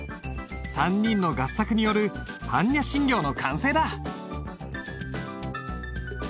３人の合作による般若心経の完成だ。